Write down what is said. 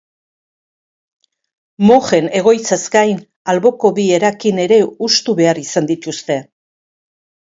Mojen egoitzaz gain, alboko bi erakin ere hustu behar izan dituzte.